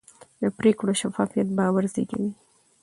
د پرېکړو شفافیت باور زېږوي